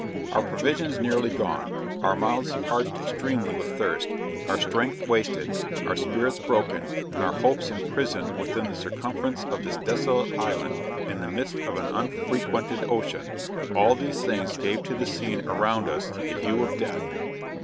Our provisions nearly gone; our mouths parched extremely with thirst; our strength wasted; our spirits broken, and our hopes imprisoned within the circumference of this desolate island in the midst of an unfrequented ocean; all these things gave to the scene around us the hue of death.